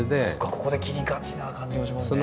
ここで切りがちな感じもしますね。